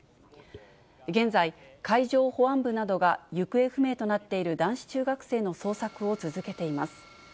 現在、海上保安部などが行方不明となっている男子中学生の捜索を続けています。